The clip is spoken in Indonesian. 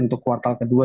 untuk kuartal kedua